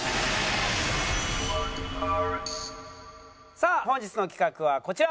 さあ本日の企画はこちら。